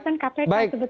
itu yang menjadi konten kpk